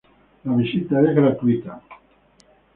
La visita es gratuita.